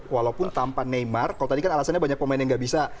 walaupun tanpa neymar kalau tadi kan alasannya banyak pemain yang gak bisa